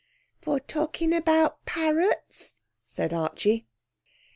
'For talking about parrots,' said Archie.